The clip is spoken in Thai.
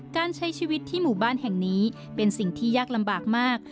การใช้ชีวิตที่หมู่บ้านแห่งนี้เป็นสิ่งที่ยากลำบากมาก